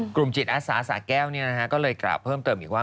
จิตอาสาสะแก้วก็เลยกล่าวเพิ่มเติมอีกว่า